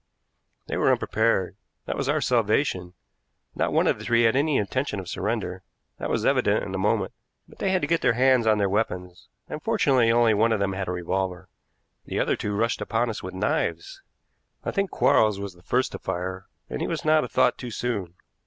They were unprepared, that was our salvation. Not one of the three had any intention of surrender, that was evident in a moment, but they had to get their hands on their weapons, and, fortunately, only one of them had a revolver. The other two rushed upon us with knives. I think Quarles was the first to fire, and he was not a thought too soon.